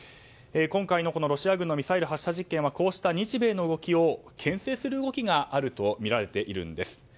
今回のロシア軍のミサイル発射実験はこうした日米の動きを牽制する動きがあるとみられているんです。